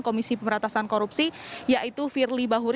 komisi pemberantasan korupsi yaitu firly bahuri